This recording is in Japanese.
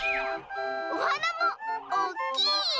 おはなもおっきい！